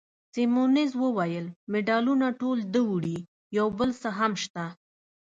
سیمونز وویل: مډالونه ټول ده وړي، یو بل څه هم شته.